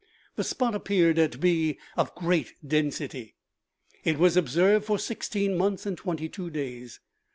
The spot appeared to be of great density. It was ob served for sixteen months and twenty two days.